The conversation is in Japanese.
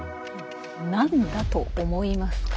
何だと思いますか？